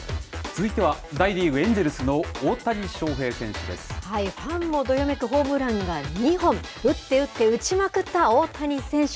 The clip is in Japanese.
続いては、大リーグ・エンジファンもどよめくホームランが２本、打って打って打ちまくった大谷選手。